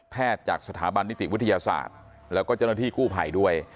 จากสถาบันนิติวิทยาศาสตร์แล้วก็เจ้าหน้าที่กู้ภัยด้วย